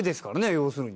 要するに。